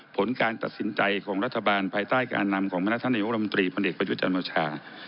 ผลการตัดสินใจของรัฐบาลภายใต้การนำของพนักท่านนายกรมตรีพลเอกประยุทธ์จันโอชา